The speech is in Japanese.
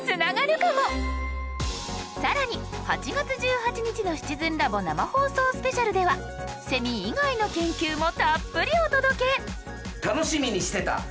更に８月１８日の「シチズンラボ生放送スペシャル」ではセミ以外の研究もたっぷりお届け！